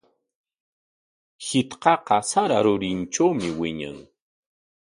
Shitqaqa sara rurintrawmi wiñan.